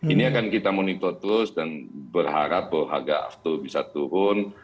ini akan kita monitor terus dan berharap bahwa harga aftur bisa turun